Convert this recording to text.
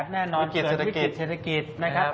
๒๐๐๘แน่นอนเกิดวิกฤติเศรษฐกิจนะครับ